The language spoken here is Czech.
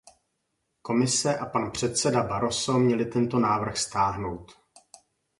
Komise a pan předseda Barroso měli tento návrh stáhnout.